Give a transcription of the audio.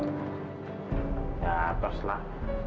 ya terus lah